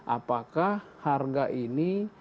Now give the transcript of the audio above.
apakah harga ini